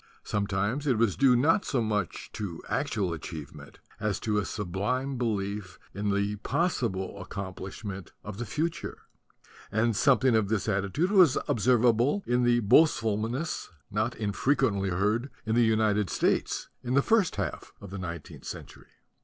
Sometimes it was due not so much to actual achievement as to a sublime belief in the possible accom plishment of the future; and something of this attitude was observable in the boastfulness not infrequently heard in the United States in the first half of the nineteenth century.